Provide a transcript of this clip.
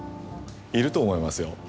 いると思いますよ